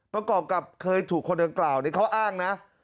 ประกอบกับเคยถูกคนดังกล่าวนี้เขาอ้างนะ